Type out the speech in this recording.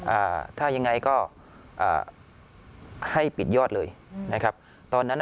อ่าถ้ายังไงก็อ่าให้ปิดยอดเลยนะครับตอนนั้นอ่ะ